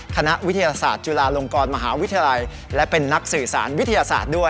คณะวิทยาศาสตร์จุฬาลงกรมหาวิทยาลัยและเป็นนักสื่อสารวิทยาศาสตร์ด้วย